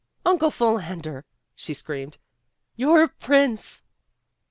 "Uncle Philander!" she screamed, "You're a prince."